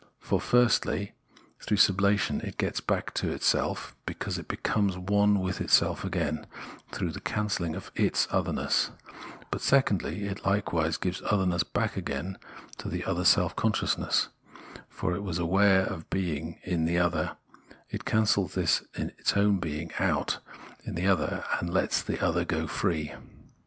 For, firstly, through sublation, it gets back itself, because it becomes one with itself again through the cancelhng of its otherness ; but secondly, it likewise gives otherness back again to the other self consciousness, for it was aware of being in the other, it cancels this its own being in the other and thus lets the other again go free.